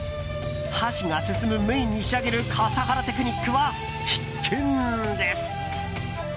箸が進むメインに仕上げる笠原テクニックは必見です。